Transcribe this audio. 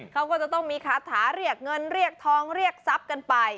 เขาก็จะต้องมีคาถาเรียกเงินเรียกทองเรียกทรัพย์กันไป